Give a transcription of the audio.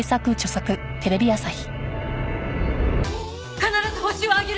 必ずホシを挙げる！